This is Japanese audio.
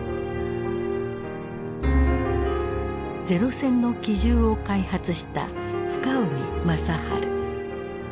零戦の機銃を開発した深海正治。